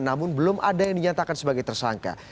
namun belum ada yang dinyatakan sebagai tersangka